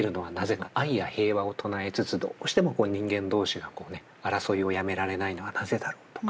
愛や平和を唱えつつどうしても人間同士が争いをやめられないのはなぜだろうとか。